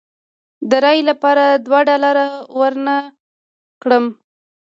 د رایې لپاره دوه ډالره ورنه کړم.